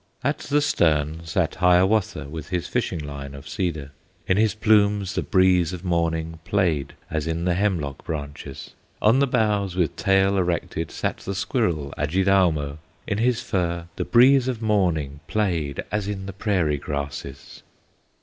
At the stern sat Hiawatha, With his fishing line of cedar; In his plumes the breeze of morning Played as in the hemlock branches; On the bows, with tail erected, Sat the squirrel, Adjidaumo; In his fur the breeze of morning Played as in the prairie grasses.